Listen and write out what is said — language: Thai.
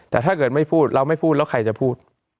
แต่ถ้าเกิดไม่พูดเราไม่พูดแล้วใครจะพูด